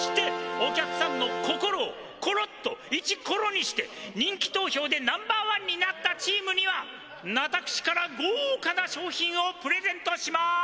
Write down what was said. お客さんのココロをコロッとイチコロにして人気投票でナンバーワンになったチームには私からごうかな賞品をプレゼントします！